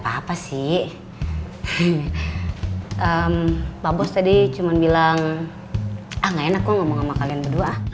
apa sih pak bos tadi cuma bilang ah gak enak kok ngomong sama kalian berdua